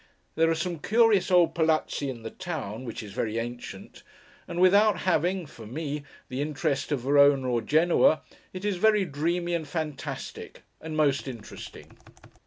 There are some curious old Palazzi in the town, which is very ancient; and without having (for me) the interest of Verona, or Genoa, it is very dreamy and fantastic, and most interesting.